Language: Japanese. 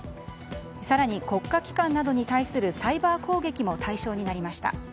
更に国家機関などに対するサイバー攻撃も対象になりました。